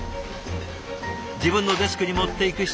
自分のデスクに持っていく人。